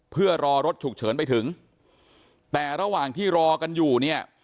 เพื่อรอรถฉุกเฉินไปถึงแต่ระหว่างที่รอกันอยู่เนี่ย